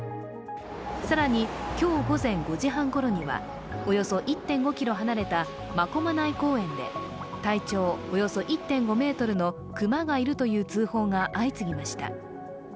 更に今日午前５時半ごろにはおよそ１．５ｋｍ離れた真駒内公園で体長およそ１．５ｍのクマがいるという通報が相次ぎました。